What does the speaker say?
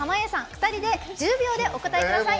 ２人で１０秒でお答えください。